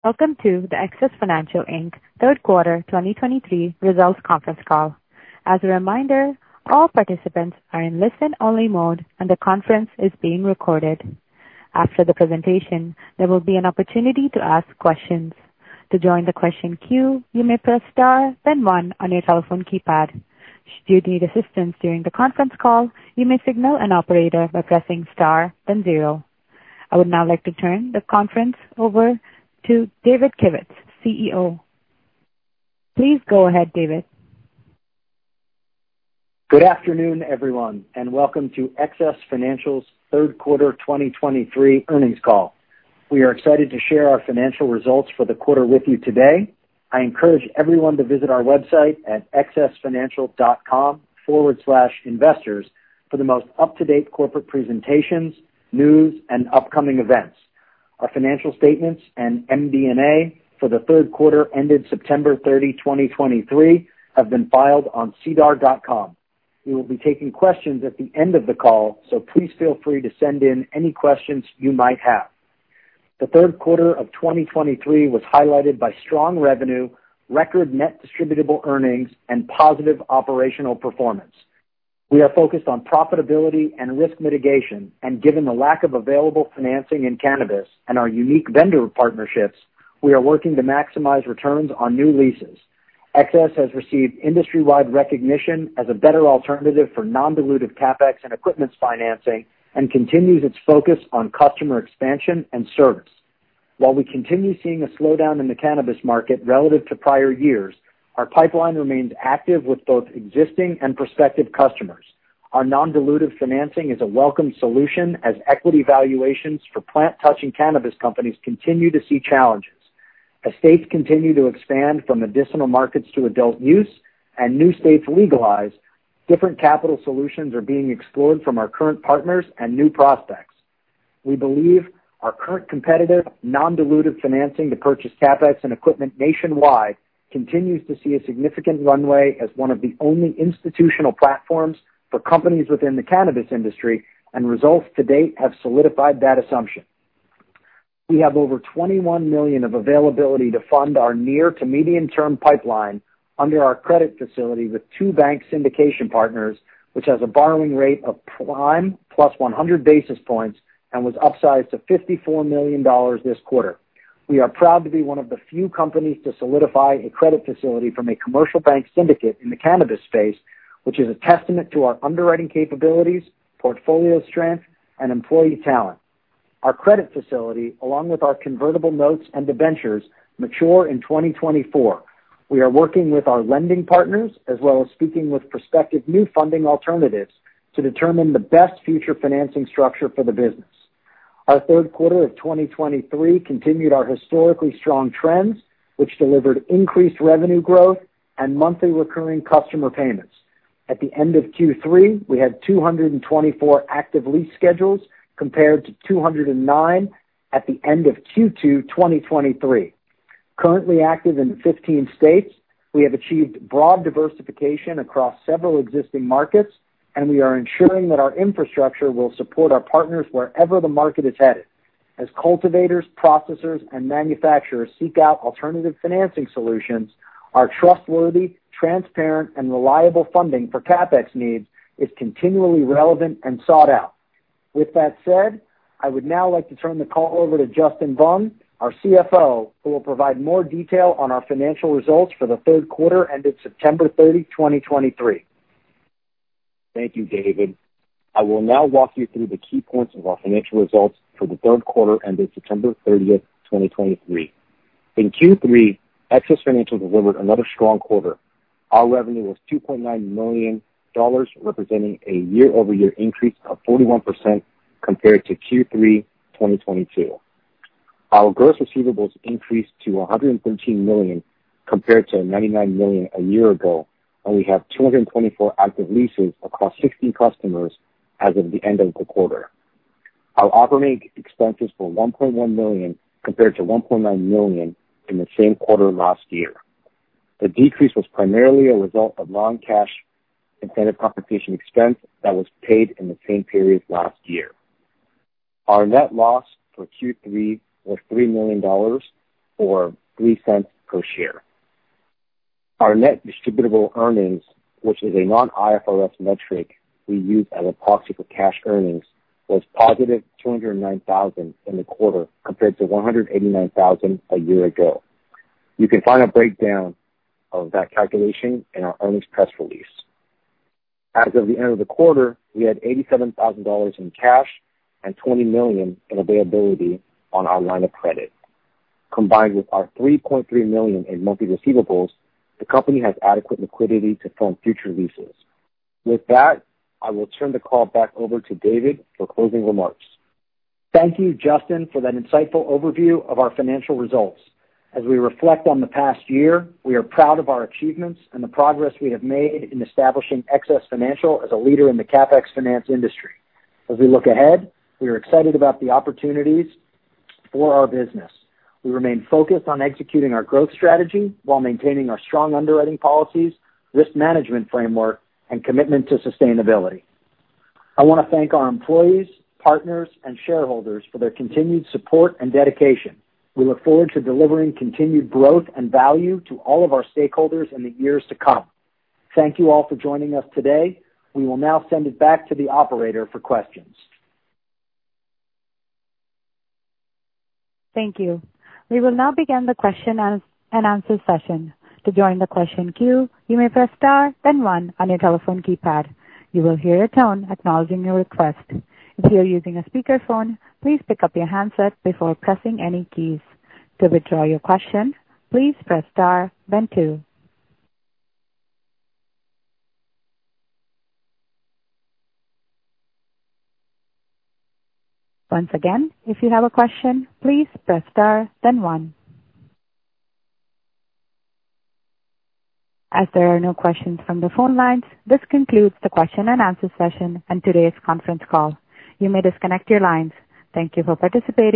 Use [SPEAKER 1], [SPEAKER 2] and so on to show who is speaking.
[SPEAKER 1] Welcome to the XS Financial Inc. Q3 2023 results conference call. As a reminder, all participants are in listen-only mode, and the conference is being recorded. After the presentation, there will be an opportunity to ask questions. To join the question queue, you may press star, then one on your telephone keypad. Should you need assistance during the conference call, you may signal an operator by pressing star, then zero. I would now like to turn the conference over to David Kivitz, CEO. Please go ahead, David.
[SPEAKER 2] Good afternoon, everyone, and welcome to XS Financial's Q3 2023 earnings call. We are excited to share our financial results for the quarter with you today. I encourage everyone to visit our website at xsfinancial.com/investors for the most up-to-date corporate presentations, news, and upcoming events. Our financial statements and MD&A for the Q3 ended September 30, 2023, have been filed on SEDAR.com. We will be taking questions at the end of the call, so please feel free to send in any questions you might have. The Q3 of 2023 was highlighted by strong revenue, record Net Distributable Earnings, and positive operational performance. We are focused on profitability and risk mitigation, and given the lack of available financing in cannabis and our unique vendor partnerships, we are working to maximize returns on new leases. XS has received industry-wide recognition as a better alternative for non-dilutive CapEx and equipment financing and continues its focus on customer expansion and service. While we continue seeing a slowdown in the cannabis market relative to prior years, our pipeline remains active with both existing and prospective customers. Our non-dilutive financing is a welcome solution as equity valuations for plant-touching cannabis companies continue to see challenges. As states continue to expand from medicinal markets to adult use and new states legalize, different capital solutions are being explored from our current partners and new prospects. We believe our current competitive, non-dilutive financing to purchase CapEx and equipment nationwide continues to see a significant runway as one of the only institutional platforms for companies within the cannabis industry, and results to date have solidified that assumption. We have over $21 million of availability to fund our near to medium-term pipeline under our credit facility with two bank syndication partners, which has a borrowing rate of Prime plus 100 basis points and was upsized to $54 million this quarter. We are proud to be one of the few companies to solidify a credit facility from a commercial bank syndicate in the cannabis space, which is a testament to our underwriting capabilities, portfolio strength, and employee talent. Our credit facility, along with our convertible notes and debentures, mature in 2024. We are working with our lending partners, as well as speaking with prospective new funding alternatives to determine the best future financing structure for the business. Our Q3 of 2023 continued our historically strong trends, which delivered increased revenue growth and monthly recurring customer payments. At the end of Q3, we had 224 active lease schedules, compared to 209 at the end of Q2 2023. Currently active in 15 states, we have achieved broad diversification across several existing markets, and we are ensuring that our infrastructure will support our partners wherever the market is headed. As cultivators, processors, and manufacturers seek out alternative financing solutions, our trustworthy, transparent, and reliable funding for CapEx needs is continually relevant and sought out. With that said, I would now like to turn the call over to Justin Vuong, our CFO, who will provide more detail on our financial results for the Q3 ended September 30, 2023.
[SPEAKER 3] Thank you, David. I will now walk you through the key points of our financial results for the Q3 ended September thirtieth, 2023. In Q3, XS Financial delivered another strong quarter. Our revenue was $2.9 million, representing a year-over-year increase of 41% compared to Q3 2022. Our gross receivables increased to $113 million compared to $99 million a year ago, and we have 224 active leases across 60 customers as of the end of the quarter. Our operating expenses were $1.1 million, compared to $1.9 million in the same quarter last year. The decrease was primarily a result of non-cash incentive compensation expense that was paid in the same period last year. Our net loss for Q3 was $3 million, or $0.03 per share. Our Net Distributable Earnings, which is a non-IFRS metric we use as a proxy for cash earnings, was positive $209,000 in the quarter, compared to $189,000 a year ago. You can find a breakdown of that calculation in our earnings press release. As of the end of the quarter, we had $87,000 in cash and $20 million in availability on our line of credit. Combined with our $3.3 million in monthly receivables, the company has adequate liquidity to fund future leases. With that, I will turn the call back over to David for closing remarks.
[SPEAKER 2] Thank you, Justin, for that insightful overview of our financial results. As we reflect on the past year, we are proud of our achievements and the progress we have made in establishing XS Financial as a leader in the CapEx finance industry. As we look ahead, we are excited about the opportunities for our business. We remain focused on executing our growth strategy while maintaining our strong underwriting policies, risk management framework, and commitment to sustainability. I want to thank our employees, partners, and shareholders for their continued support and dedication. We look forward to delivering continued growth and value to all of our stakeholders in the years to come. Thank you all for joining us today. We will now send it back to the operator for questions.
[SPEAKER 1] Thank you. We will now begin the question and answer session. To join the question queue, you may press star, then one on your telephone keypad. You will hear a tone acknowledging your request. If you are using a speakerphone, please pick up your handset before pressing any keys. To withdraw your question, please press star then two. Once again, if you have a question, please press star, then one. As there are no questions from the phone lines, this concludes the question and answer session and today's conference call. You may disconnect your lines. Thank you for participating.